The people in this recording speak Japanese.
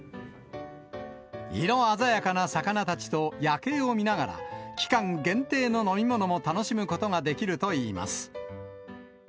色鮮やかな魚たちと夜景を見ながら、期間限定の飲み物も楽しむことができるといいます。